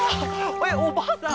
えっおばあさん